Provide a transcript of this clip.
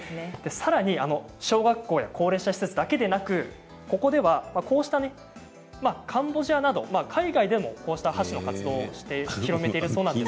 さらに小学校や高齢者施設だけでなくここではカンボジアなど海外でも箸の活動を広めているそうなんです。